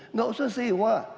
enggak usah sewa